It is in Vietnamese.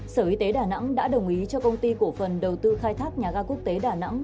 sở y tế đà nẵng đã đồng ý cho công ty cổ phần đầu tư khai thác nhà ga quốc tế đà nẵng